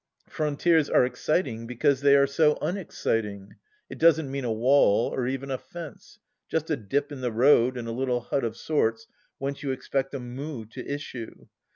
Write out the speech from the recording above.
Frontiers are exciting, because they are so unexciting ! It doesn't mean a wall, or even a fence : just a dip in the road, and a little hut of sorts whence you expect a Moo ! to issue.